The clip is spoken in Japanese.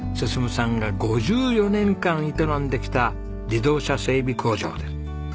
駸さんが５４年間営んできた自動車整備工場です。